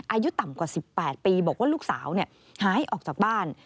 อายุต่ำกว่า๑๘ปีบอกว่าลูกสาวหายออกจากบ้าน